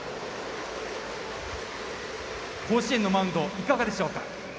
甲子園のマウンドいかがでしょうか。